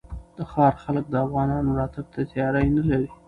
د ښار خلک د افغانانو راتګ ته تیاری نه لري.